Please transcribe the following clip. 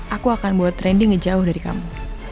aku akan bawa rendy ngejauh dari kamu